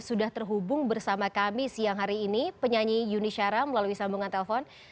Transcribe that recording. sudah terhubung bersama kami siang hari ini penyanyi yuni syara melalui sambungan telepon